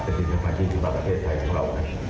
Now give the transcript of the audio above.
เป็นสิ่งที่สำคัญที่สุดมากกับประเทศไทยของเรานะ